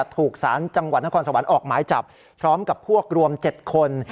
ถูกสารจังหวัดนครสวรรค์ออกหมายจับพร้อมกับพวกรวม๗คน